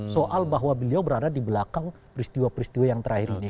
soal bahwa beliau berada di belakang peristiwa peristiwa yang terakhir ini